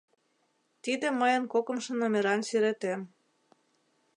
Тиде мыйын кокымшо номеран сӱретем: